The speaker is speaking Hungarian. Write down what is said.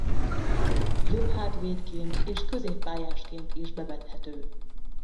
Jobbhátvédként és középpályásként is bevethető.